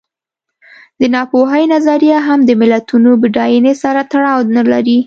د ناپوهۍ نظریه هم د ملتونو بډاینې سره تړاو نه لري.